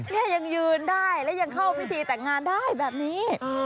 นี่ยังยืนได้และยังเข้าพิธีแต่งงานได้แบบนี้